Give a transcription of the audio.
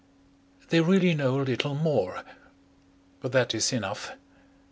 They really know little more. But that is enough.